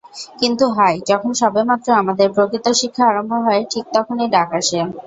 কিন্তু হায়, যখন সবেমাত্র আমাদের প্রকৃত শিক্ষা আরম্ভ হয় ঠিক তখনি ডাক আসে।